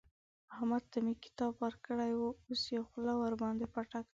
احمد ته مې کتاب ورکړی وو؛ اوس يې خوله ورباندې پټه کړه.